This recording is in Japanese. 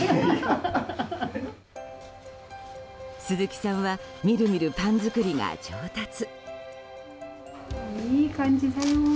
鈴木さんはみるみるパン作りが上達。